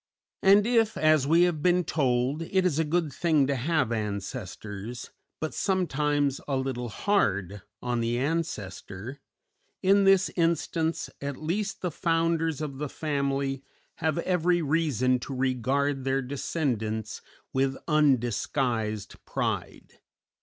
And if, as we have been told, "it is a good thing to have ancestors, but sometimes a little hard on the ancestor," in this instance at least the founders of the family have every reason to regard their descendants with undisguised pride.